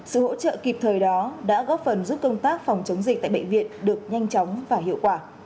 sự hỗ trợ kịp thời đó đã góp phần giúp công tác phòng chống dịch tại bệnh viện được nhanh chóng và hiệu quả